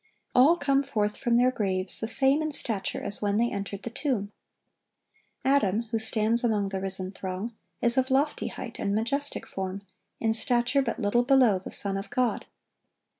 All come forth from their graves the same in stature as when they entered the tomb. Adam, who stands among the risen throng, is of lofty height and majestic form, in stature but little below the Son of God.